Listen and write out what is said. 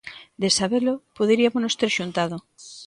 De sabelo, poderiámonos ter xuntado.